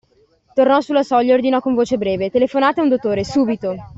Tornò sulla soglia e ordinò con voce breve: Telefonate a un dottore, subito.